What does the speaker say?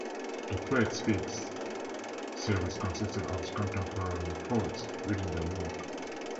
"The Poet Speaks" series consisted of contemporary poets reading their work.